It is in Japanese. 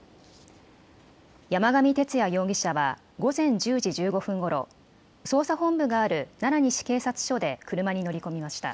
山上徹也容疑者は午前１０時１５分ごろ、捜査本部がある奈良西警察署で車に乗り込みました。